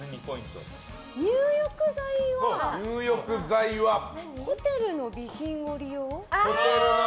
入浴剤はホテルの備品を利用？